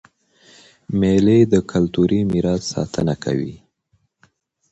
مېلې د کلتوري میراث ساتنه کوي.